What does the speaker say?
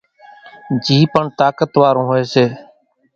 جھِي پڻ طاقت وارون هوئيَ سي۔